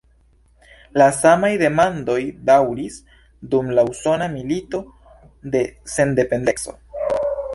La samaj demandoj daŭris dum la Usona Milito de Sendependeco.